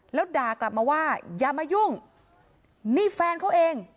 แล้วด่ากลับมาว่าอย่ามายุ่งนี่แฟนเขาเอง